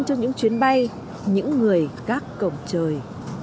trong những chuyến bay những người gác cổng trời